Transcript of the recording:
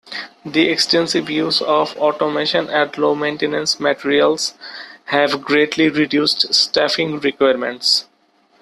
The extensive use of automation and low maintenance materials have greatly reduced staffing requirements.